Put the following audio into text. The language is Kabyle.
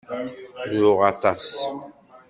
Ruɣ aṭas.